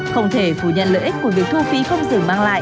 không thể phủ nhận lợi ích của việc thu phí không dừng mang lại